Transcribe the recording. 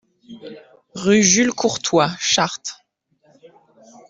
Rue Jules Courtois, Chartres